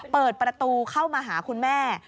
เปิดประตูเข้ามาหาคุณแม่